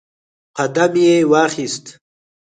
قدم یې واخیست